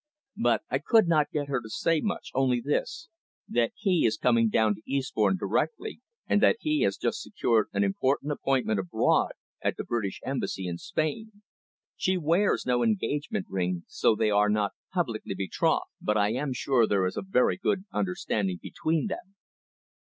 But I could not get her to say much, only this, that he is coming down to Eastbourne directly, and that he has just secured an important appointment abroad, at the British Embassy in Spain. "She wears no engagement ring, so they are not publicly betrothed. But I am sure there is a very good understanding between them."